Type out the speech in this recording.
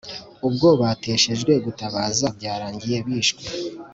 Ubwo bateshejwe gutabaza byarangiye bishwe